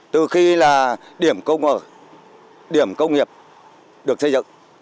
từ khi là điểm công nghiệp được xây dựng